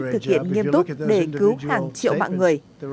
thực hiện nghiêm túc để cứu hàng triệu mạng người